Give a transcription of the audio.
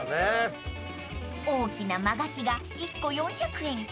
［大きなマガキが１個４００円